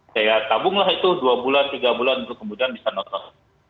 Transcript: saya tabunglah itu dua bulan tiga bulan untuk kemudian bisa nonton